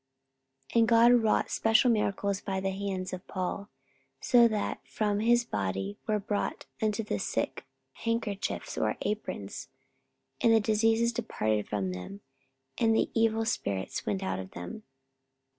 44:019:011 And God wrought special miracles by the hands of Paul: 44:019:012 So that from his body were brought unto the sick handkerchiefs or aprons, and the diseases departed from them, and the evil spirits went out of them.